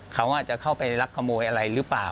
เขาอาจจะเข้าไปรักขโมยอะไรหรือเปล่า